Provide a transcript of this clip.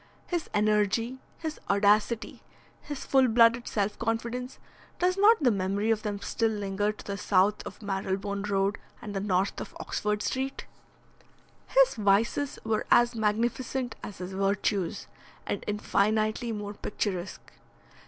His energy, his audacity, his full blooded self confidence does not the memory of them still linger to the south of Marylebone Road and the north of Oxford Street? His vices were as magnificent as his virtues, and infinitely more picturesque.